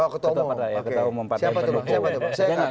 ketua umum partai pendukung